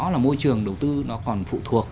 là môi trường đầu tư nó còn phụ thuộc